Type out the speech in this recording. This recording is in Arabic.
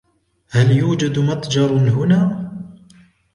هل يوجد متجر هنا ؟